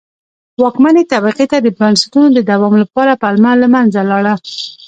واکمنې طبقې ته د بنسټونو د دوام لپاره پلمه له منځه لاړه.